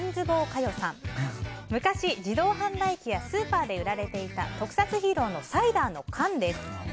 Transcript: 昔、自動販売機やスーパーで売られていた特撮ヒーローのサイダーの缶です。